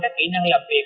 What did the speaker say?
các kỹ năng làm việc